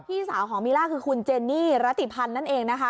พี่สาวของมีล่าคือคุณเจนนี่รติพันธ์นั่นเองนะคะ